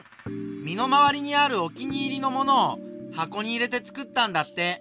身の回りにあるお気に入りの物を箱に入れてつくったんだって。